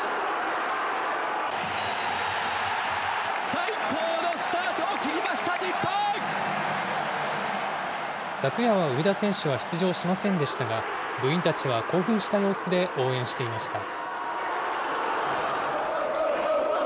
最高のスタートを切りました、昨夜は上田選手は出場しませんでしたが、部員たちは興奮した様子で応援していました。